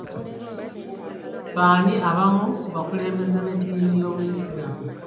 B'ani abamu ku bakulembeze b'edddiini y'obusiraamu?